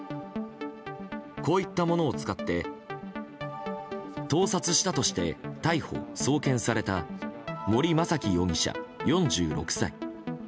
こういったものを使って盗撮したとして逮捕・送検された森雅紀容疑者、４６歳。